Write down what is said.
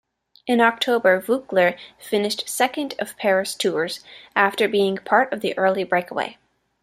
In October, Voeckler finished second of Paris-Tours, after being part of the early breakaway.